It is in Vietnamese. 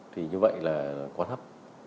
thì như vậy là quá thấp